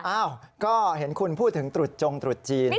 อ้าวก็เห็นคุณพูดถึงตรุษจงตรุษจีน